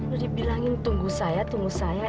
udah dibilangin tunggu saya tunggu saya